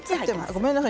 ごめんなさい。